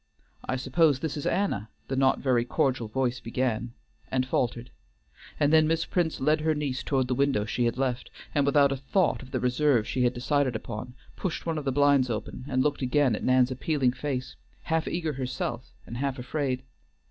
"I suppose this is Anna," the not very cordial voice began, and faltered; and then Miss Prince led her niece toward the window she had left, and without a thought of the reserve she had decided upon, pushed one of the blinds wide open, and looked again at Nan's appealing face, half eager herself, and half afraid.